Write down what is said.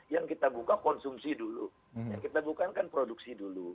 yang kita buka konsumsi dulu kita bukankan produksi dulu